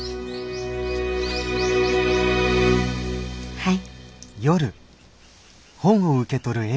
はい。